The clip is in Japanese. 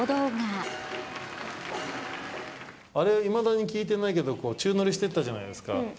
あれはいまだに聞いてないけど、宙乗りしてたじゃないですか。